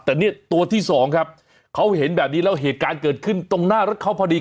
แต่เนี่ยตัวที่สองครับเขาเห็นแบบนี้แล้วเหตุการณ์เกิดขึ้นตรงหน้ารถเขาพอดี